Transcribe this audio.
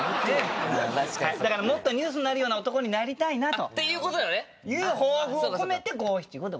だからもっとニュースになるような男になりたいなという抱負を込めて五七五でございます